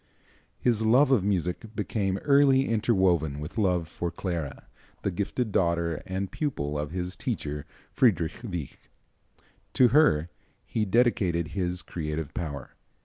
His love of music became early interwoven with love for Clara, the gifted daughter and pupil of his teacher, Friedrich Wieck. To her he dedicated his creative power.